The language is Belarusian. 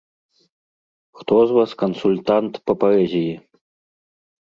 Хто з вас кансультант па паэзіі?